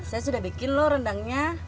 saya sudah bikin loh rendangnya